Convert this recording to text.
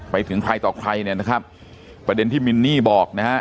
ไปถึงใครต่อใครเนี่ยนะครับประเด็นที่มินนี่บอกนะฮะ